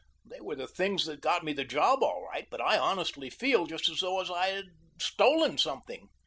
They were the things that got me the job all right, but I honestly feel just as though I had stolen something."